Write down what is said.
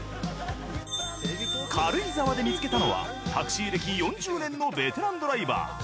軽井沢で見つけたのはタクシー歴４０年のベテランドライバー。